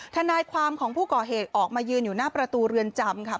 ทนายความของผู้ก่อเหตุออกมายืนอยู่หน้าประตูเรือนจำค่ะ